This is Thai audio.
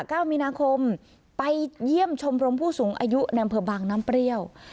เก้ามีนาคมไปเยี่ยมชมรมผู้สูงอายุในอำเภอบางน้ำเปรี้ยว